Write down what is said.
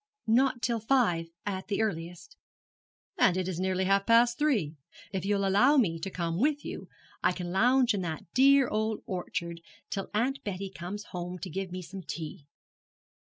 'Not till five, at the earliest.' 'And it is nearly half past three. If you'll allow me to come with you I can lounge in that dear old orchard till Aunt Betsy comes home to give me some tea.'